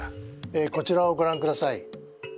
えこちらをごらんください。